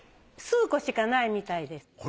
数個しかないみたいです。